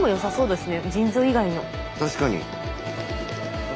確かに。